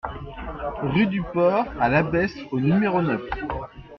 Rue du Port à l'Abbesse au numéro neuf